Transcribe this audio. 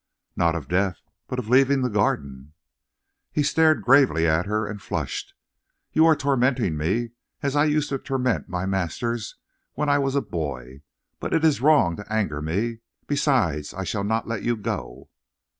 "Not of death, but of leaving the Garden." He stared gravely at her, and flushed. "You are tormenting me as I used to torment my masters when I was a boy. But it is wrong to anger me. Besides I shall not let you go."